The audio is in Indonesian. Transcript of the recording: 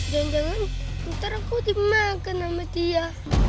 jangan jangan ntar aku dimakan sama dia